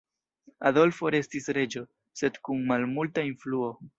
Adolfo restis reĝo, sed kun malmulta influo.